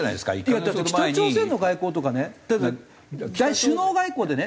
だって北朝鮮の外交とかね首脳外交でね